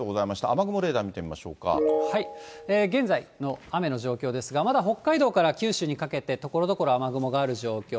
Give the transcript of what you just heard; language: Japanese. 雨雲レーダー見てみましょう現在の雨の状況ですが、まだ北海道から九州にかけて、ところどころ雨雲がある状況。